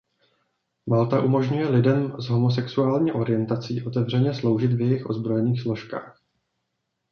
Malta umožňuje lidem s homosexuální orientací otevřeně sloužit v jejích ozbrojených složkách.